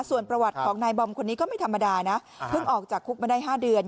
ส่วนประวัติของนายบอมคนนี้ก็ไม่ธรรมดานะเพิ่งออกจากคุกมาได้๕เดือน